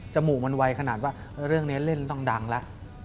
มูกมันไวขนาดว่าเรื่องนี้เล่นต้องดังแล้ว